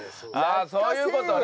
あそういう事ね！